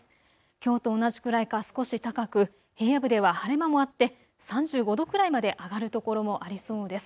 きょうと同じくらいか、少し高く、平野部では晴れ間もあって３５度くらいまで上がる所もありそうです。